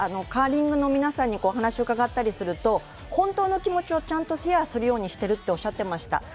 カーリングの皆さんにお話を伺ったりすると本当の気持ちをちゃんとシェアするようにしているとおっしゃっていました。